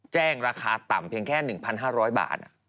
ราคาต่ำเพียงแค่๑๕๐๐บาท